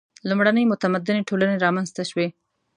• لومړنۍ متمدنې ټولنې رامنځته شوې.